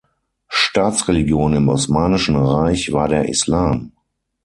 Staatsreligion im Osmanischen Reich war der Islam.